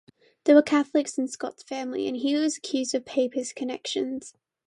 There were Catholics in Scott's family, and he was accused of papist connections.